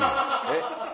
えっ？